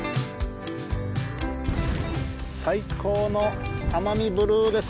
最高のアマミブルーです。